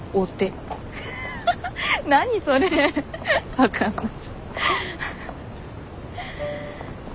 分かんない。